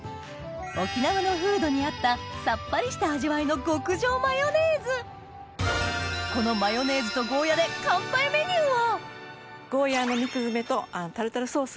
沖縄の風土に合ったサッパリした味わいの極上マヨネーズこのマヨネーズとゴーヤーで乾杯メニューをヤッタ！